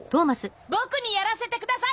僕にやらせて下さい！